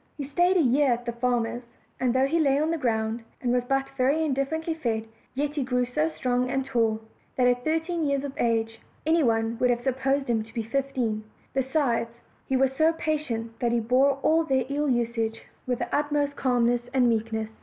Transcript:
He stayed a year at the farmer's; and though he lay on the ground, and was but very indifferently fed, yet he grew so strong and tall that at thirteen years of age any one would have supposed him to be fifteen: besides, he was so patient that he bore all their ill usage with the ut most calmness and meekness.